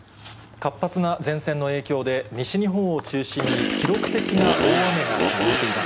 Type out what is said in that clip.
活発な前線の影響で、西日本を中心に記録的な大雨が続いています。